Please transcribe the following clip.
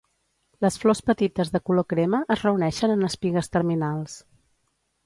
Les flors petites de color crema es reuneixen en espigues terminals.